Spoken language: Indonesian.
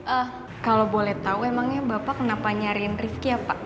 ah kalau boleh tahu emangnya bapak kenapa nyariin rifki ya pak